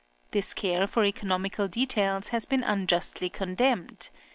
This care for economical details has been unjustly condemned.